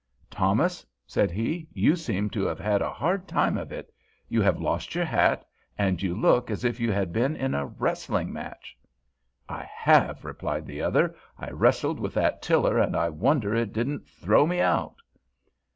"Thomas," said he, "you seem to have had a hard time of it. You have lost your hat and you look as if you had been in a wrestling match." "I have," replied the other; "I wrestled with that tiller and I wonder it didn't throw me out."